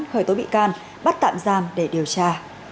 khởi tố bị can bắt tạm giam để điều tra